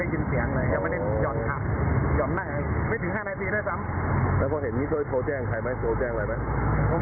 แล้วพอเห็นมีโทรแจ้งใครไหมโทรแจ้งอะไรไหม